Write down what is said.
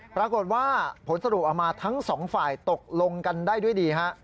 ปรากฏว่าผลสรุปออกมาทั้งสองฝ่ายตกลงกันได้ด้วยดีฮะ